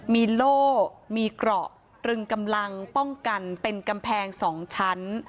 มีโล่มีเกราะตรึงกำลังป้องกันเป็นกำแพง๒ชั้น